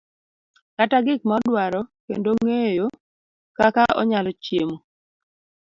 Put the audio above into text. kata gik ma odwaro kendo ng'eyo kaka onyalo chiemo.